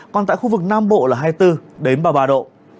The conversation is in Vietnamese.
còn tại khu vực nam bộ là hai mươi bốn đến ba mươi ba độ